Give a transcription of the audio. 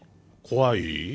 怖い？